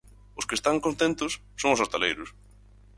Os que están contentos son os hostaleiros.